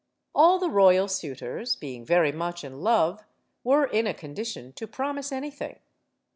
All the royal suitors being very much in love were in a condition to promise anything.